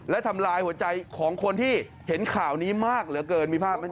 และทำลายหัวใจของคนที่เห็นข่าวนี้มากเหลือเกินมีภาพไหม